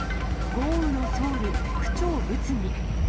豪雨のソウル、区長物議。